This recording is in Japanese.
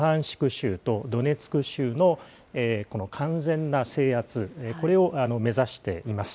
州とドネツク州の、この完全な制圧、これを目指しています。